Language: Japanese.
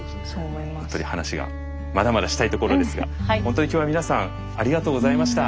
本当に話がまだまだしたいところですが本当に今日は皆さんありがとうございました。